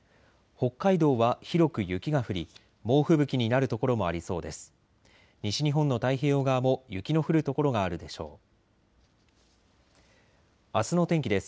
北海道は広く雪が降り猛吹雪になる所もありそうです。